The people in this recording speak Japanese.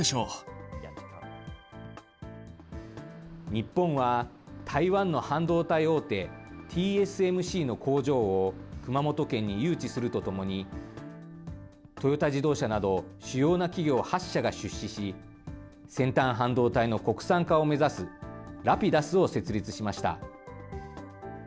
日本は台湾の半導体大手、ＴＳＭＣの工場を、熊本県に誘致するとともに、トヨタ自動車など主要な企業８社が出資し、先端半導体の国産化を目指す、Ｒａｐｉｄｕｓを設立しました。